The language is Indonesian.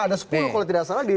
ada sepuluh kalau tidak salah